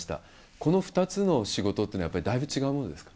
この２つの仕事っていうのは、だいぶ違うものですか？